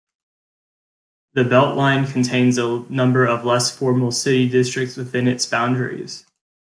The Beltline contains a number of less formal city districts within its boundaries.